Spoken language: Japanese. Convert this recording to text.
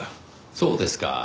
そうですか。